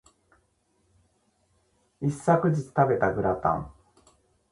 一昨日食べたグラタン